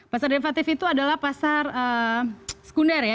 pasar devatif itu adalah pasar sekunder ya